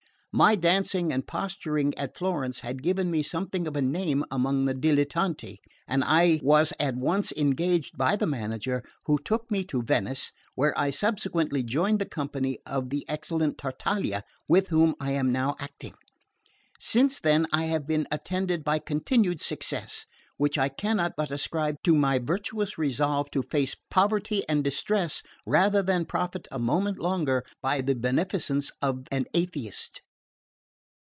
My dancing and posturing at Florence had given me something of a name among the dilettanti, and I was at once engaged by the manager, who took me to Venice, where I subsequently joined the company of the excellent Tartaglia with whom I am now acting. Since then I have been attended by continued success, which I cannot but ascribe to my virtuous resolve to face poverty and distress rather than profit a moment longer by the beneficence of an atheist.